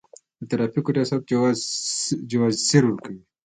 د ترافیکو ریاست جواز سیر ورکوي